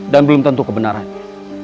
dan belum tentu kebenarannya